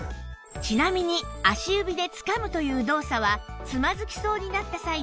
ちなみに足指で「つかむ」という動作はつまずきそうになった際の踏ん張りに繋がる